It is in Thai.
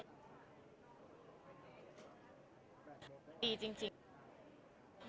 ดีจริง